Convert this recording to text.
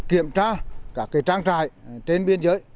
kiểm tra các trang trại trên biên giới